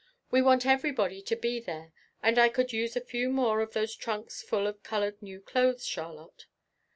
"We want everybody to be there and I could use a few more of those trunks full of colored new clothes, Charlotte.